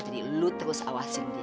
jadi lo terus awasin dia